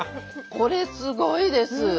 これすごいです。